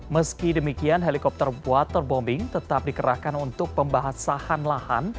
meski demikian helikopter waterbombing tetap dikerahkan untuk pembahasahan lahan